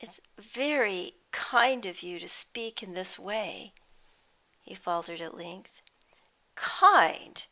"It's very kind of you to speak in this way," he faltered at length. "Kind!